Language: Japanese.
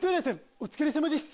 お疲れさまです。